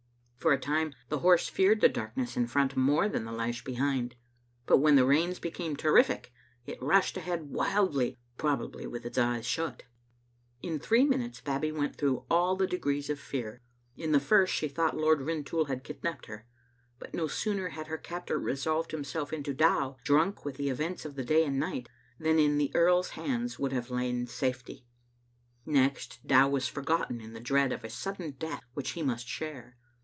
For a time the horse feared the darkness in front more than the lash behind; but when the rains became ter rific, it rushed ahead wildly — probably with its eyes shut. In three minutes Babbie went through all the de grees of fear. In the first she thought Lord Rintoul had kidnapped her; but no sooner had her captor re solved himself into Dow, drunk with the events of the Digitized by VjOOQ IC Vbc fiidbt ot Bu0U6t fouttb. siKS day and night, than in the earl's hands would have lain safety. Next, Dow was forgotten in the dread of a sudden death which he must share.